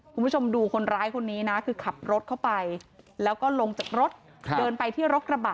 คุณผู้ชมดูคนร้ายคนนี้นะคือขับรถเข้าไปแล้วก็ลงจากรถเดินไปที่รถกระบะ